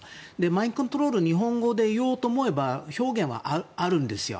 マインドコントロール日本で言おうと思えば表現はあるんですよ。